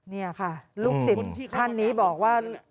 นี่ค่ะลูกศิษย์ท่านนี้บอกว่า